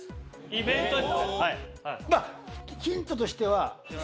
まぁヒントとしては。